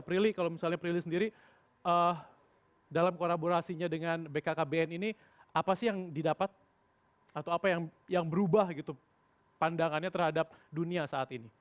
prilly kalau misalnya prilly sendiri dalam kolaborasinya dengan bkkbn ini apa sih yang didapat atau apa yang berubah gitu pandangannya terhadap dunia saat ini